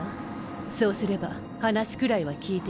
そうすれば話くらいは聞いてやる。